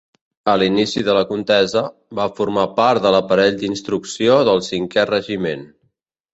A l'inici de la contesa, va formar part de l'aparell d'instrucció del Cinquè Regiment.